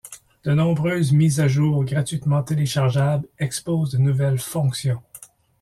De nombreuses mises à jour gratuitement téléchargeables exposent de nouvelles fonctions.